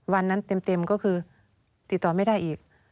วันนั้นเต็มก็คือติดต่อไม่ได้อีก